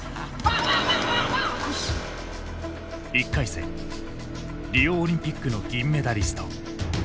１回戦リオオリンピックの銀メダリスト。